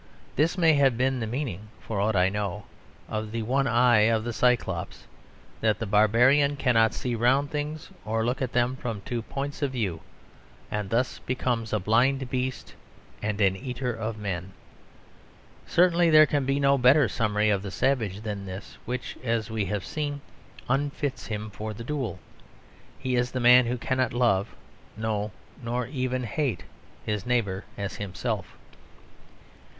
This may have been the meaning, for aught I know, of the one eye of the Cyclops: that the Barbarian cannot see round things or look at them from two points of view; and thus becomes a blind beast and an eater of men. Certainly there can be no better summary of the savage than this, which as we have seen, unfits him for the duel. He is the man who cannot love no, nor even hate his neighbour as himself.